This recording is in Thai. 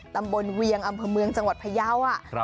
ตำบลเวียงอำเภอเมืองจังหวัดพระเยาะ